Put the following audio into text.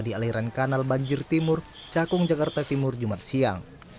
di aliran kanal banjir timur cakung jakarta timur jumat siang